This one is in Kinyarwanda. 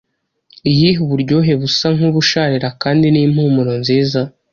iyihe uburyohe busa nkubusharira kandi n’impumuro nziza.